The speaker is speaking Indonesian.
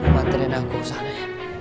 patren aku sana